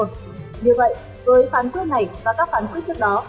như vậy với phán quyết này và các phán quyết trước đó